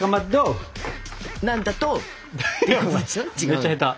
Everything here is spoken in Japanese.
めっちゃ下手！